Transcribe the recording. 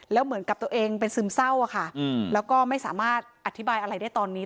แล้วเหมือนกับตัวเองเป็นซึมเศร้าค่ะแล้วก็ไม่สามารถอธิบายอะไรได้ตอนนี้